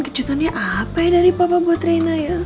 kejutannya apa ya dari papa buat reina ya